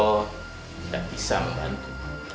tidak bisa membantu